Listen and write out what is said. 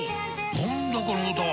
何だこの歌は！